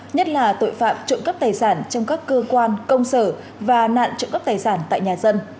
nhất là tội phạm trộm cắp tài sản trong các cơ quan công sở và nạn trộm cắp tài sản tại nhà dân